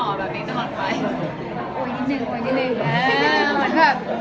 มาก